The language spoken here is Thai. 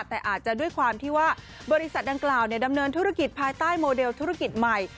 แต่อาจจะด้วยความที่ว่าบริษัทดังกล่าวดำเนินธุรกิจภายใต้โมเดลธุรกิจใหม่